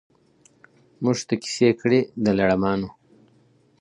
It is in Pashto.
موږ ته کیسې کړي د لړمانو